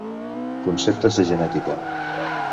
Conceptes de Genètica.